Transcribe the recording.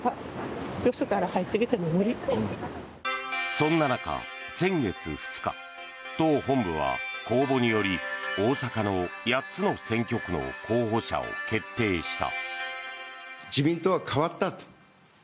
そんな中、先月２日党本部は公募により大阪の８つの選挙区の候補者を決定した。